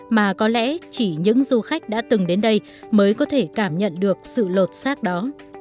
mà có lẽ chỉ những du khách đã từng đến đây mới có thể cảm nhận được sự lột xác đó